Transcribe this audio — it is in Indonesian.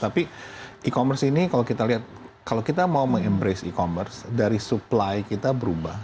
tapi e commerce ini kalau kita lihat kalau kita mau meng embrace e commerce dari supply kita berubah